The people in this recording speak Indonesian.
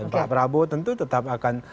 pak prabowo tentu tetap akan